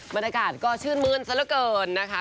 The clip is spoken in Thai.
บรรยากาศก็ชื่นมื้นซะละเกินนะคะ